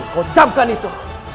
kau camkan itu